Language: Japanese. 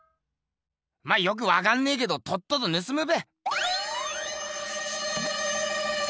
まあよくわかんねえけどとっととぬすむべ。